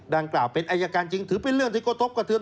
ดังกล่าวเป็นอายการจริงถือเป็นเรื่องที่กระทบกระเทือน